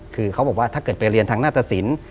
คือเขาบอกว่าถ้าเกิดไปเรียนทางหน้าตสิน